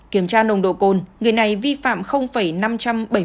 kiểm tra nồng độ cồn người này vi phạm năm trăm bảy mươi chín mg trên một lít khí thở